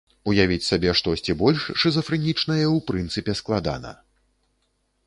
Уявіць сабе штосьці больш шызафрэнічнае ў прынцыпе складана.